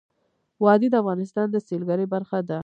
وادي د افغانستان د سیلګرۍ برخه ده.